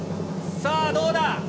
さあ、どうだ？